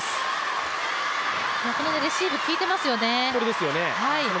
なかなか、レシーブ、効いていますよね。